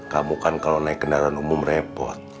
kamu kan kalau naik kendaraan umum repot